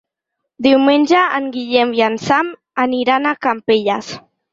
Diumenge en Guillem i en Sam aniran a Campelles.